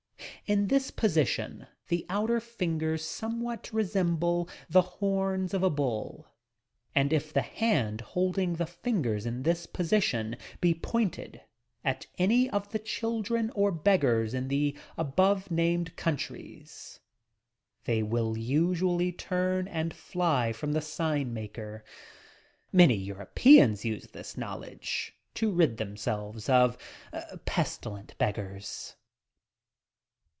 In this position the outer fingers somewhat resemble the horns of a hull, and if the hand holding the fingers in this position he pointed at any of the children or beggars in the above named countries, they wilJ usually turn and fly from the sign maker ! Many Europeans use this knowledge to rid themselves of pestilent beggars!